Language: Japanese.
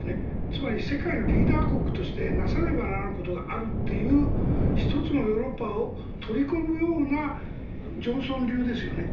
つまり世界のリーダー国としてなさねばならぬことがあるという１つのヨーロッパを取り込むようなジョンソン流ですよね。